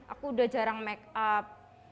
aku udah jarang make up